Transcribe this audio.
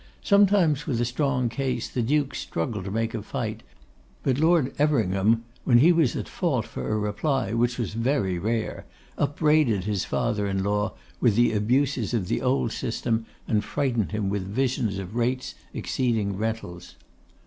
Sometimes with a strong case, the Duke struggled to make a fight; but Lord Everingham, when he was at fault for a reply, which was very rare, upbraided his father in law with the abuses of the old system, and frightened him with visions of rates exceeding rentals.